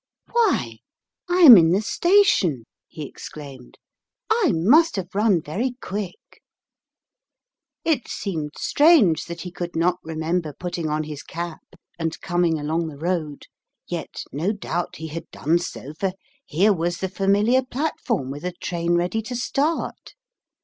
" Why, I am in the station !" he exclaimed. " I must have run very quick." It seemed strange that he could not remember putting on his cap and coming along the road, yet no doubt he had done so, for here was the familiar platform with a train ready to start.